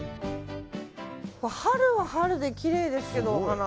春は春できれいですけど、お花。